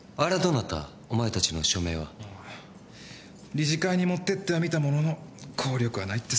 理事会に持ってってはみたものの効力はないってさ。